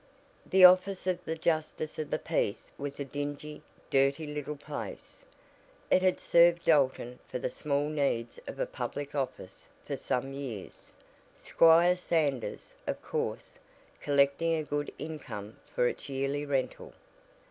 The office of the justice of the peace was a dingy, dirty little place. It had served Dalton for the small needs of a public office for some years, Squire Sanders, of course, collecting a good income for its yearly rental.